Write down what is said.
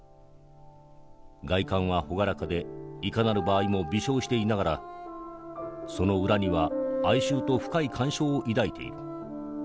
外観は朗らかでいかなる場合も微笑していながらその裏には哀愁と深い感傷を抱いている。